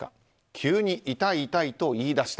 急に痛い痛いと言い出した。